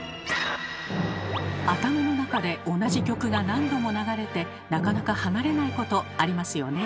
頭の中で同じ曲が何度も流れてなかなか離れないことありますよね。